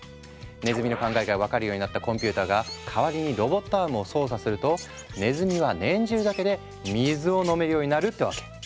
ねずみの考えが分かるようになったコンピューターが代わりにロボットアームを操作するとねずみは念じるだけで水を飲めるようになるってわけ。